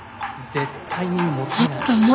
絶対にモテない。